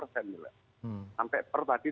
sampai per tadi